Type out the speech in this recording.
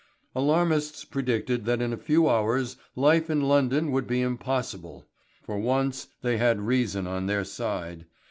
Alarmists predicted that in a few hours life in London would be impossible. For once they had reason on their side.